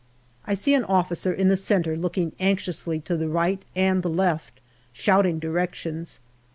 I see an officer in the centre looking anxiously to the right and the left, shouting directions.